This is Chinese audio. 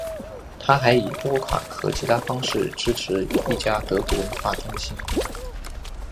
他还以拨款和其他方式支持一家德国文化中心。